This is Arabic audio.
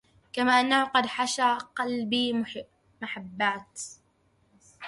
كما أن قد حشى قلبي محبات